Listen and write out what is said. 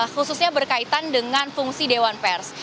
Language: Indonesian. khususnya berkaitan dengan fungsi dewan pers